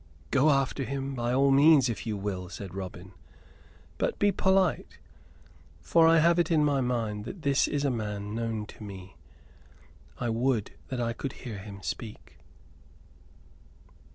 "Go after him by all means, if you will," said Robin; "but be polite, for I have it in my mind that this is a man known to me. I would that I could hear him speak."